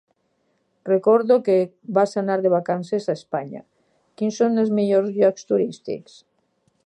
Recordo que vas anar de vacances a Espanya. Quins són els millors llocs turístics?